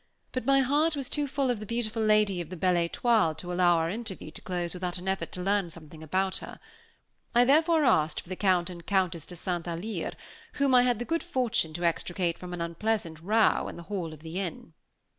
But my heart was too full of the beautiful lady of the Belle Étoile, to allow our interview to close without an effort to learn something about her. I therefore asked for the Count and Countess de St. Alyre, whom I had had the good fortune to extricate from an extremely unpleasant row in the hall of the inn.